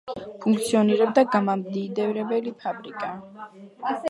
ფუნქციონირებდა გამამდიდრებელი ფაბრიკა.